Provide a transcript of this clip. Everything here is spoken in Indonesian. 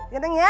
gak deng ya